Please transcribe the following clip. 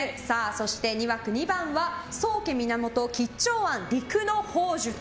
そして２枠２番は宗家源吉兆庵陸乃宝珠。